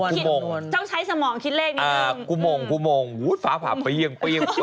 ต้องใช้สมองคิดเลขนิดหนึ่งอ๋อกูมงฟ้าผ่าเปลี่ยง